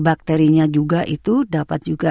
bakterinya juga itu dapat juga